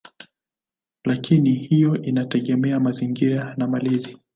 Lakini hiyo inategemea mazingira na malezi.